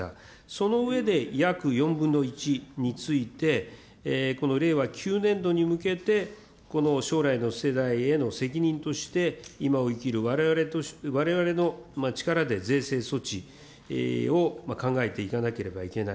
その上で、約４分の１について、この令和９年度に向けて、この将来の世代への責任として、今を生きるわれわれの力で税制措置を考えていかなければいけない。